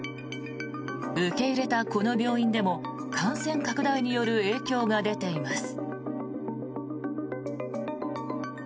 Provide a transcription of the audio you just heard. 受け入れたこの病院でも感染拡大による影響が出ています。